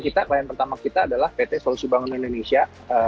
klien pertama kita adalah pt solusi bangunan indonesia